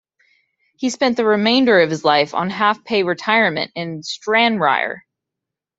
He spent the remainder of his life on half pay retirement in Stranraer.